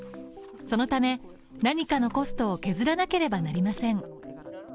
そのため、何かのコストを削らなければなりません。